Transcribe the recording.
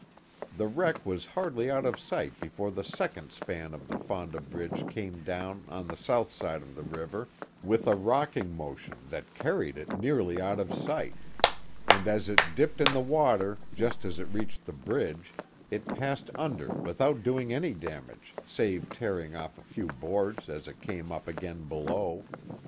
The wreck was hardly out of sight before the second span of the Fonda Bridge came down on the south side of the river, with a rock ing motion that carried it nearly out of sight, and as it dipped in the water just as it reached the bridge, it passed under without doing any damage save tearing off a few boards as it came up again belovi'.